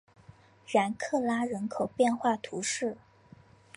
然克拉人口变化图示